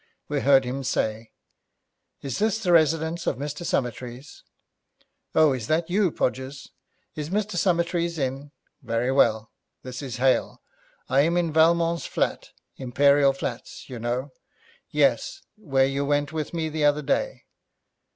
We heard him say, 'Is this the residence of Mr. Summertrees? Oh, is that you, Podgers? Is Mr. Summertrees in? Very well. This is Hale. I am in Valmont's flat Imperial Flats you know. Yes, where you went with me the other day.